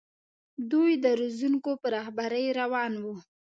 دوی د روزونکو په رهبرۍ روان وو.